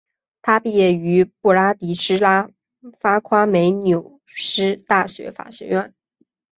他毕业于布拉迪斯拉发夸美纽斯大学法学院。